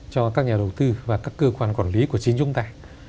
cho các nhà đầu tư và các cơ quan quản lý của chính chúng ta